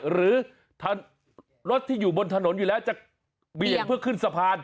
หรือรถที่อยู่บนถนนอยู่แล้วจะเบี่ยงเพื่อขึ้นสะพาน